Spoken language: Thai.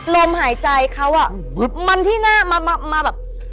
ลมหายใจเขาอ่ะมันที่หน้ามาแบบ